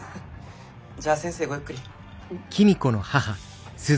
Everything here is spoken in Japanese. じゃあ先生ごゆっくり。